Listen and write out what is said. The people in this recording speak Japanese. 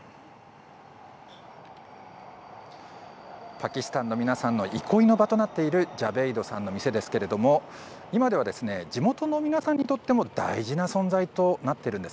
パキスタンの皆さんの憩いの場となっているジャベイドさんの店ですが、今では地元の皆さんにとっても大事な存在となっているんです。